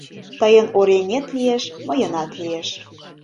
Тыйын оръеҥет лиеш, мыйынат лиеш.